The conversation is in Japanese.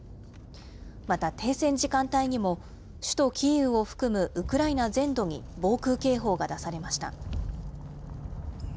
また停戦時間帯にも、首都キーウを含むウクライナ全土に、防空警報が出されました。